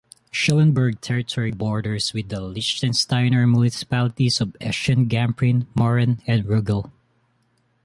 Schellenberg territory borders with the Liechtensteiner municipalities of Eschen, Gamprin, Mauren and Ruggell.